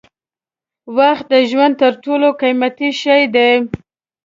وخت د ژوند تر ټولو قیمتي شی دی.